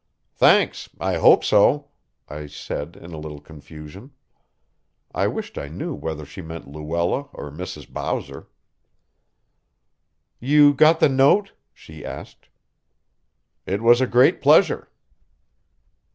"Thanks I hope so," I said in a little confusion. I wished I knew whether she meant Luella or Mrs. Bowser. "You got the note?" she asked. "It was a great pleasure."